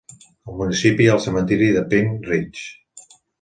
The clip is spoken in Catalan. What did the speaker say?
Al municipi hi ha el cementiri de Pine Ridge.